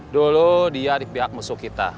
dulu dia di pihak musuh kita